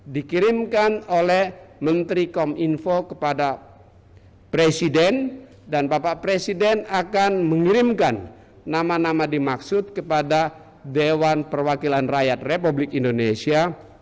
dikirimkan oleh menteri kominfo kepada presiden dan bapak presiden akan mengirimkan nama nama dimaksud kepada dewan perwakilan rakyat republik indonesia